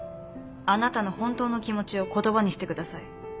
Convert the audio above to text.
あなたの本当の気持ちを言葉にしてください。